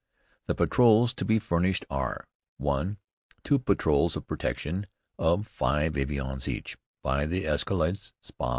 The patrols to be furnished are: (1) two patrols of protection, of five avions each, by the escadrilles Spa.